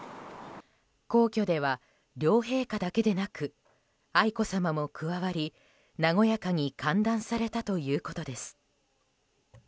皇居では、両陛下だけでなく愛子さまも加わり、和やかに歓談されたということです。